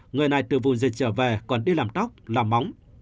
người này từ vùng dịch trở về còn đi làm tóc làm móng